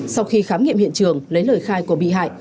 sau khi khám nghiệm hiện trường lấy lời khai của bị hại